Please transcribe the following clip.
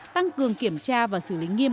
tăng cường kiểm tra và xử lý nghiêm